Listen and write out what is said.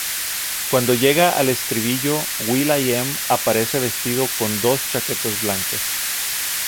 Cuando llega el estribillo, will.i.am aparece vestido con dos chaquetas blancas.